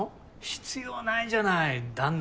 必要ないじゃない旦那